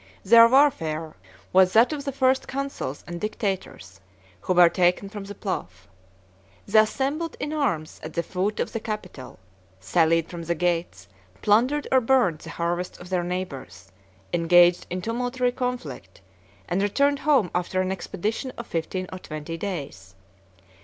Their warfare was that of the first consuls and dictators, who were taken from the plough. The assembled in arms at the foot of the Capitol; sallied from the gates, plundered or burnt the harvests of their neighbors, engaged in tumultuary conflict, and returned home after an expedition of fifteen or twenty days.